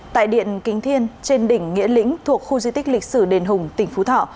tại điện kính thiên trên đỉnh nghĩa lĩnh thuộc khu di tích lịch sử đền hùng tỉnh phú thọ